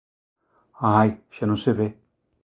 Ai, xa non se ve!